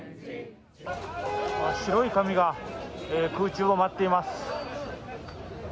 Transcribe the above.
白い紙が空中を舞っています。